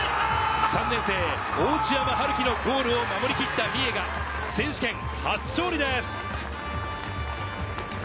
３年生・大地山開のゴールを守りきった三重が選手権初勝利です。